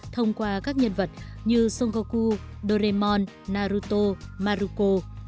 thông qua các nhân vật như son goku doraemon naruto maruko